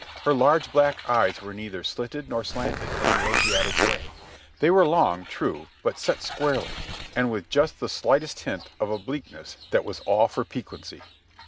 Her large black eyes were neither slitted nor slanted in the Asiatic way. They were long, true, but set squarely, and with just the slightest hint of obliqueness that was all for piquancy.